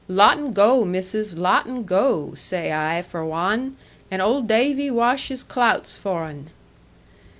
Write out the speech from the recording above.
Latt un goo, missus, latt un goo, zay I for wan, and old Davy wash his clouts for un.'